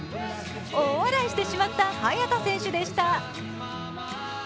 大笑いしてしまった早田選手でした。